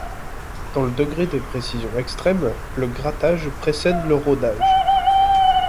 Dans le degré de précision extrême, le grattage précède le rodage.